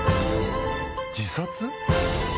自殺？